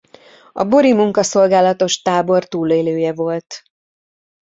A bori munkaszolgálatos tábor túlélője volt.